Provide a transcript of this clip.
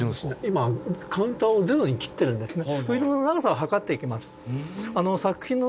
今カウンターをゼロにきってるんですね。